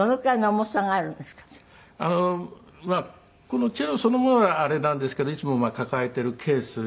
このチェロそのものはあれなんですけどいつも抱えているケース